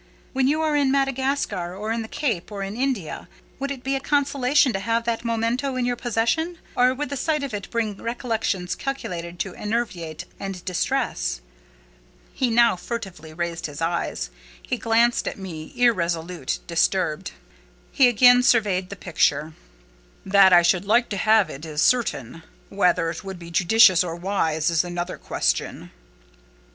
When you are at Madagascar, or at the Cape, or in India, would it be a consolation to have that memento in your possession? or would the sight of it bring recollections calculated to enervate and distress?" He now furtively raised his eyes: he glanced at me, irresolute, disturbed: he again surveyed the picture. "That I should like to have it is certain: whether it would be judicious or wise is another question."